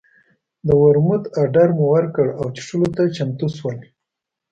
د ورموت اډر مو ورکړ او څښلو ته چمتو شول.